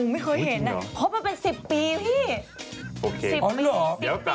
ไม่เคยเห็นน่ะเพราะมันเป็น๑๐ปีพี่